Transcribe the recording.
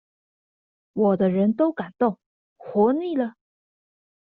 我的人都敢動，活膩了？